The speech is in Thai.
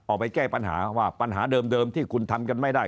ออกไปแก้ปัญหาว่าปัญหาเดิมที่คุณทำกันไม่ได้